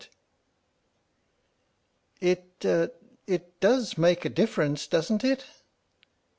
" It it does make a difference, doesn't it?"